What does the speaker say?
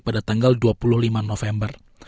pada tanggal dua puluh lima november